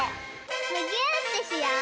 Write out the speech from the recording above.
むぎゅーってしよう！